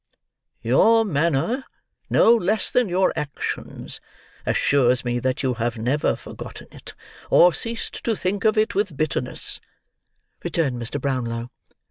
"Your manner, no less than your actions, assures me that you have never forgotten it, or ceased to think of it with bitterness," returned Mr. Brownlow.